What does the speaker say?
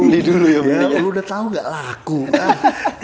lu udah tau gak laku kan